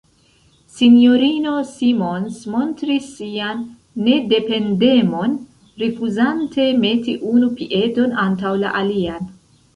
S-ino Simons montris sian nedependemon, rifuzante meti unu piedon antaŭ la alian.